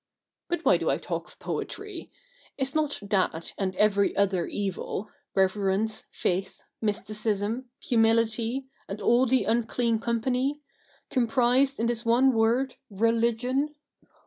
But why do I talk of poetry ? Is not that, and every other evil — reverence, faith, mysticism, humility, and all the unclean company — comprised in this one word Religion